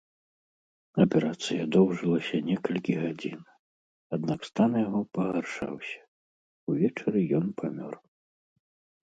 Аперацыя доўжылася некалькі гадзін, аднак стан яго пагаршаўся, увечары ён памёр.